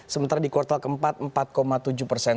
sementara di kuartal keempat empat tujuh persen